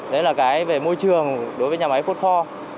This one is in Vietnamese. đấy là cái về môi trường đối với nhà máy phốt pho